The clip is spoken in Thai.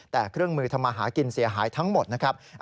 แต่เครื่องมือทำมาหากินเสียหายทั้งหมดนะครับ